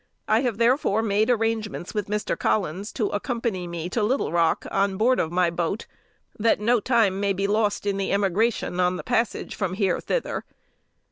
I have therefore made arrangements with Mr. Collins to accompany me to Little Rock on board of my boat, that no time may be lost in the emigration on the passage from here thither.